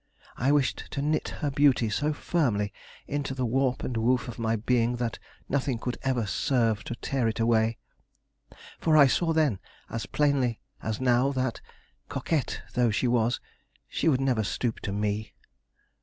I wished to knit her beauty so firmly into the warp and woof of my being that nothing could ever serve to tear it away. For I saw then as plainly as now that, coquette though she was, she would never stoop to me.